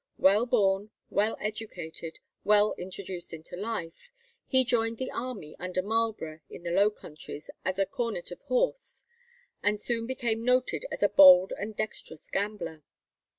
Well born, well educated, well introduced into life, he joined the army under Marlborough in the Low Countries as a cornet of horse, and soon became noted as a bold and dexterous gambler.